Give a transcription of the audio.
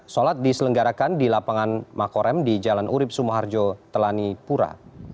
sholat diselenggarakan di lapangan makorem di jalan urib sumoharjo telani pura